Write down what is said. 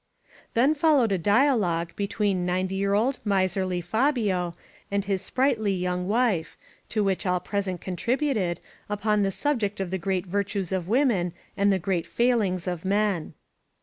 Then followed a dialogue between ninety year old, miserly Fabio and his sprightly young wife, to which all present contributed, upon the subject of the great virtues of women and the great failings of men.